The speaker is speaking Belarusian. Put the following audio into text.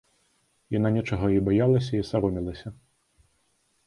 Яна нечага і баялася, і саромілася.